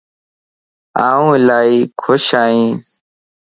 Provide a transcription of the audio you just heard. آن الائي خوش ائين